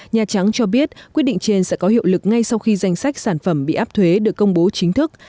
nhà trắng cho biết quyết định trên sẽ có hiệu lực ngay sau khi danh sách sản phẩm bị áp thuế được công bố chính thức